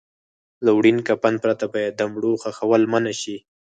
له وړین کفن پرته باید د مړو خښول منع شي.